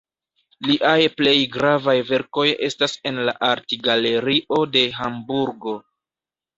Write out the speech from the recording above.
Liaj plej gravaj verkoj estas en la Artgalerio de Hamburgo.